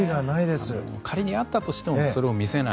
仮にあったとしてもそれを見せない。